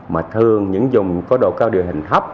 mà thường những dùng có độ cao địa hình thấp